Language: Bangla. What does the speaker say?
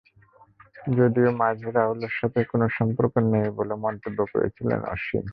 যদিও মাঝে রাহুলের সঙ্গে কোনো সম্পর্ক নেই বলে মন্তব্য করেছিলেন অসিন।